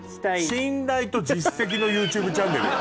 信頼と実績のＹｏｕＴｕｂｅチャンネルよ。